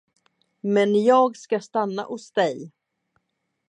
Men jag skall stanna hos dig.